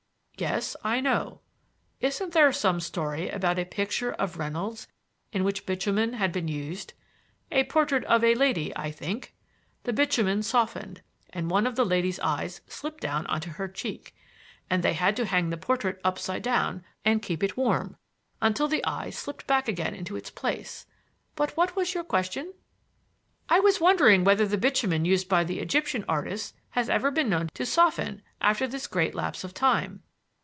"Yes, I know. Isn't there some story about a picture of Reynolds's in which bitumen had been used? A portrait of a lady, I think. The bitumen softened, and one of the lady's eyes slipped down on to her cheek; and they had to hang the portrait upside down and keep it warm until the eye slipped back again into its place. But what was your question?" "I was wondering whether the bitumen used by the Egyptian artists has ever been known to soften after this great lapse of time."